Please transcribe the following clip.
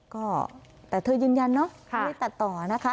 ก็แต่เธอยืนยันเนอะไม่ได้ตัดต่อนะคะ